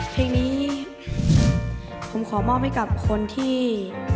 เพลงนี้ผมขอมอบให้กับคนที่